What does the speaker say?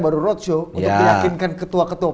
baru roadshow untuk meyakinkan ketua ketua